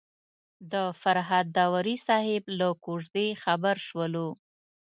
د فرهاد داوري صاحب له کوژدې خبر شولو.